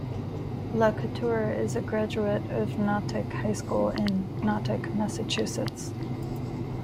LaCouture is a graduate of Natick High School in Natick, Massachusetts.